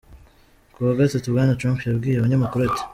Ku wa gatatu, Bwana Trump yabwiye abanyamakuru ati:.